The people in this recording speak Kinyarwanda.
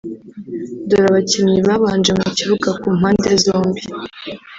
Dore abakinnyi babanje mu kibuga ku mpande zombi